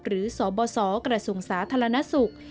หรือสบสกระทรวงศาสตร์ธรรณสุข